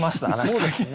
そうですね。